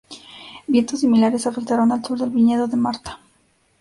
Vientos similares afectaron al sur del viñedo de Martha.